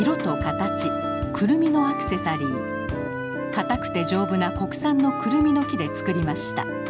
かたくて丈夫な国産のクルミの木で作りました。